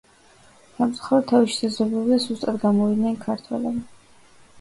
სამწუხაროდ თავის შესაძლებლობებზე სუსტად გამოვიდნენ ქართველები.